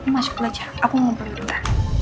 masuk dulu aja aku mau ngobrol dulu